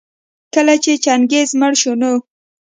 کله چي چنګېز مړ شو نو